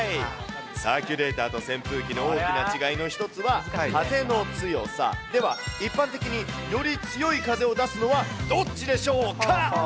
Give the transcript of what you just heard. サーキュレーターと扇風機の大きな違いの１つは、風の強さ、では、一般的により強い風を出すのはどっちでしょうか。